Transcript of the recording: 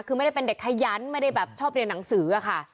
คือไม่ได้เป็นเด็กขยันไม่ได้แบบชอบเรียนหนังสืออะค่ะ